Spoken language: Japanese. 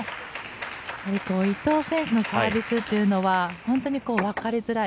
伊藤選手のサービスは本当にわかりづらい。